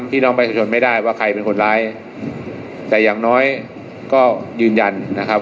พี่น้องประชาชนไม่ได้ว่าใครเป็นคนร้ายแต่อย่างน้อยก็ยืนยันนะครับ